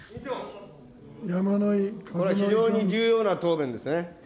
非常に重要な答弁ですね。